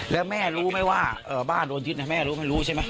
แล้วแม่รู้ไหมว่าบ้านโดนยึดแม่รู้ไม่รู้ใช่ไหม